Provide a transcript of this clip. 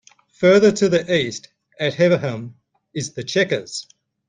Further to the east at Heaverham is the Chequers.